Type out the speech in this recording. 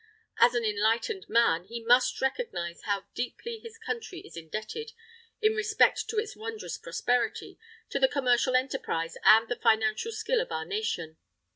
"As an enlightened man, he must recognise how deeply his country is indebted, in respect to its wondrous prosperity, to the commercial enterprise and the financial skill of our nation.